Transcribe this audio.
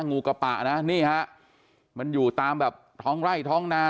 งูกระปะนะนี่ฮะมันอยู่ตามแบบท้องไร่ท้องนา